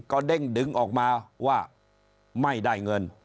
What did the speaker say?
ก็เด้งดึงออกมาว่าไม่ได้เงิน